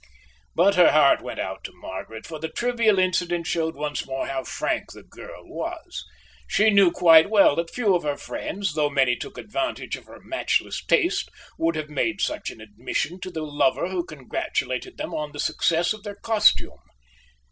But her heart went out to Margaret, for the trivial incident showed once more how frank the girl was. She knew quite well that few of her friends, though many took advantage of her matchless taste, would have made such an admission to the lover who congratulated them on the success of their costume.